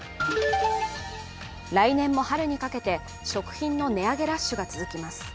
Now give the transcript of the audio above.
来年も春にかけて食品の値上げラッシュが続きます。